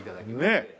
ねえ。